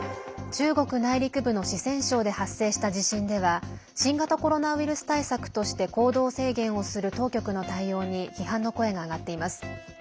中国内陸部の四川省で発生した地震では新型コロナウイルス対策として行動制限をする当局の対応に批判の声が上がっています。